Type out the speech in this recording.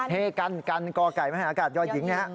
ฮกันฮกันกไก่ไม่ให้อากาศยหญิงนะฮะ